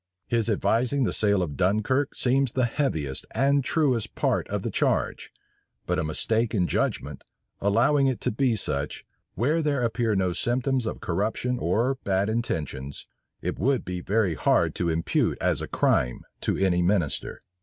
His advising the sale of Dunkirk seems the heaviest and truest part of the charge; but a mistake in judgment, allowing it to be such, where there appear no symptoms of corruption or bad intentions, it would be very hard to impute as a crime to any minister.